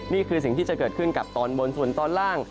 นี่คือสิ่งที่จะเกิดขึ้นกับตอนบนส่วนตอนล่าง